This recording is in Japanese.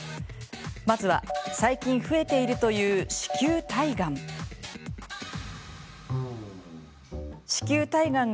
まずは、最近増えているという子宮体がん。